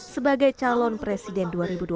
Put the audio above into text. sebagai calon yang terbaik di indonesia